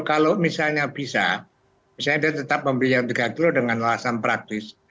kalau misalnya bisa misalnya dia tetap membeli yang tiga kilo dengan alasan praktis